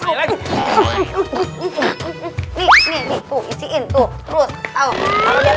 tuh udah jalan ayo